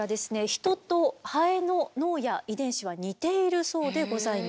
ヒトとハエの脳や遺伝子は似ているそうでございます。